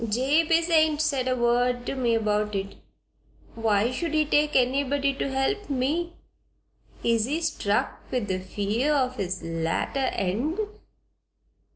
"Jabez ain't said a word to me about it. Why should he take anybody to help me? Is he struck with the fear o' his latter end?"